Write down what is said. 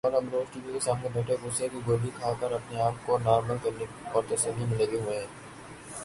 اور ہم روز ٹی وی کے سامنے بیٹھے غصے کی گولی کھا کر اپنے آپ کو نارمل کرنے اور تسلی میں لگے ہوئے ہیں ۔